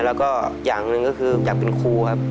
แล้วก็อย่างหนึ่งก็คืออยากเป็นครูครับ